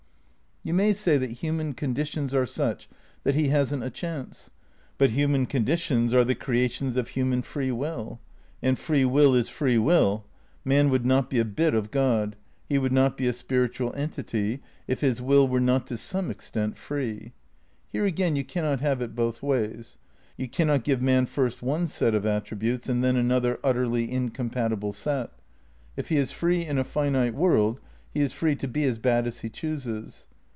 You may say that human conditions are such that he hasn 't a chance. But human conditions are the crea tions of human free will. And free wiU is free will. Man would not be a bit of God, he would not be a spir itual entity, if his will were not to some extent free. Here again, you cannot have it both ways, you cannot give man first one set of attributes and then another utterly incompatible set. If he is free in a finite world he is free to be as bad as he chooses.